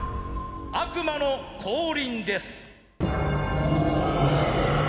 悪魔の降臨です。